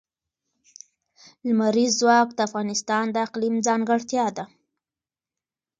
لمریز ځواک د افغانستان د اقلیم ځانګړتیا ده.